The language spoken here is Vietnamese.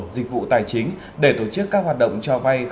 dịch vụ tài chính để tổ chức các hoạt động cho vay